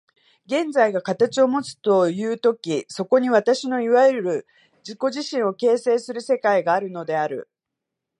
現在が形をもつという時、そこに私のいわゆる自己自身を形成する世界があるのである。